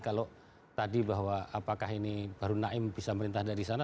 kalau tadi bahwa apakah ini baru naim bisa merintah dari sana